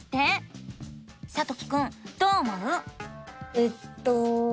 えっと。